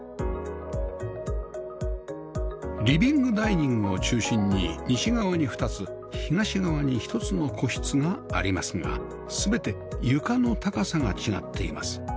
リビングダイニングを中心に西側に２つ東側に１つの個室がありますが全て床の高さが違っています